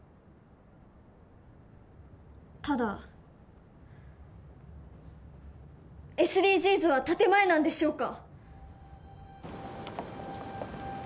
ただＳＤＧｓは建前なんでしょうか？